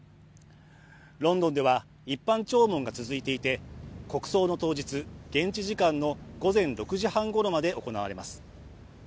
ロンドンでは一般弔問が続いていて国葬の当日、現地時間の午前６時半ごろまで行われます。